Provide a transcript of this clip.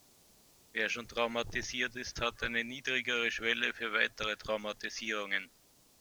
Wer schon traumatisiert ist, hat eine niedrigere Schwelle für weitere Traumatisierungen.